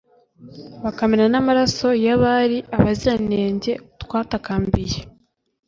bakamena n'amaraso y'abari abaziranenge twatakambiye